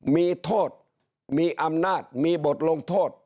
มีโทษมีอำนาจมีบทลงโทษ